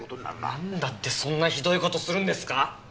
なんだってそんなひどい事するんですか！？